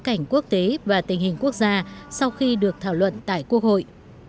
cảnh quốc tế và tình hình quốc gia sau khi được thảo luận tại quốc hội